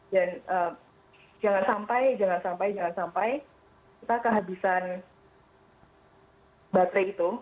jangan sampai jangan sampai jangan sampai kita kehabisan baterai itu